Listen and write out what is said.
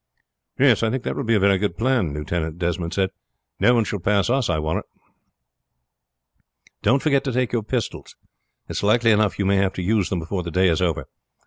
"Yes, I think that will be a very good plan," Lieutenant Desmond said. "No one shall pass us, I warrant." "Don't forget to take your pistols; it is likely enough you may have to use them before the day is over.